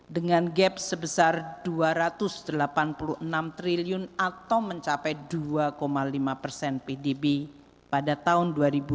dengan gap sebesar dua ratus delapan puluh enam triliun atau mencapai dua lima persen pdb pada tahun dua ribu dua puluh